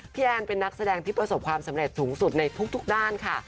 แอนเป็นนักแสดงที่ประสบความสำเร็จสูงสุดในทุกด้านค่ะ